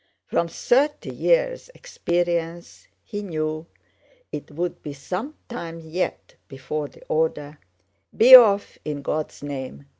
From thirty years' experience he knew it would be some time yet before the order, "Be off, in God's name!"